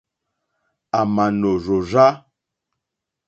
À mà nò rzòrzá.